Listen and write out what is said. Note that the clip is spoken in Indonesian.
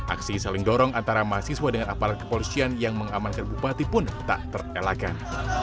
aksi saling dorong antara mahasiswa dengan aparat kepolisian yang mengamankan bupati pun tak terelakkan